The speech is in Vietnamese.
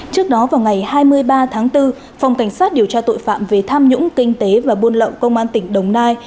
trước đó vào ngày hai mươi ba tháng bốn phòng cảnh sát điều tra tội phạm về tham nhũng kinh tế và buôn lậu công an tỉnh đồng nai